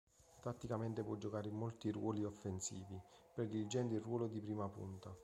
Tatticamente può giocare in molti ruoli offensivi, prediligendo il ruolo di prima punta.